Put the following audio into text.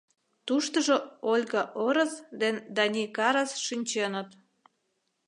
Туштыжо Ольга Орос ден Дани Карас шинченыт.